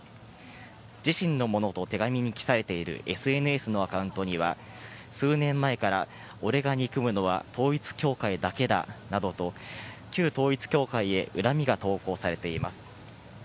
自身のものと手紙に記載されているＳＮＳのアカウントには、数年前から俺が憎むのは統一教会だけだなどと、旧統一教会へ恨みが投稿されています。